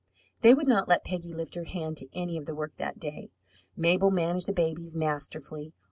They would not let Peggy lift her hand to any of the work that day. Mabel managed the babies masterfully.